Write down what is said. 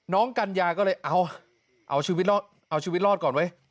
กัญญาก็เลยเอาชีวิตรอดเอาชีวิตรอดก่อนเว้ย